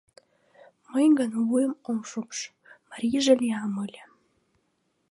Мый гын, вуйым ом шупш — марийже лиям ыле.